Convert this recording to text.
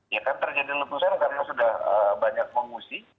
ya kan terjadi letusan karena sudah banyak pengungsi